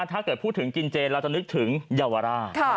ถ้าเกิดพูดถึงกินเจนเราจะนึกถึงเยาวราช